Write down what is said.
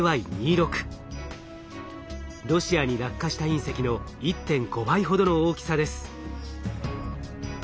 ロシアに落下した隕石の１．５倍ほどの大きさです。